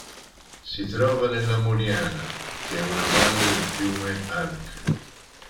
Si trova nella Moriana, che è una valle del fiume Arc.